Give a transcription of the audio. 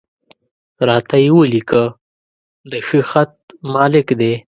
را ته یې ولیکه، د ښه خط مالک دی.